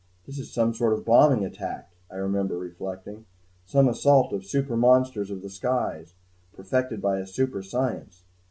"This is some sort of bombing attack," I remember reflecting, "some assault of super monsters of the skies, perfected by a super science."